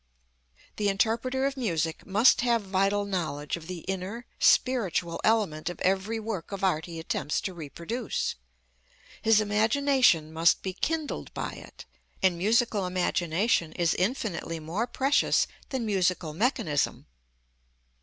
The interpreter of music must have vital knowledge of the inner, spiritual element of every work of art he attempts to reproduce. His imagination must be kindled by it, and musical imagination is infinitely more precious than musical mechanism.